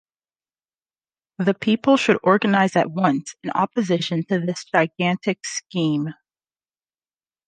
The people should organize at once in opposition to this gigantic scheme.